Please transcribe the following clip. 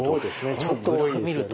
ちょっと多いですよね。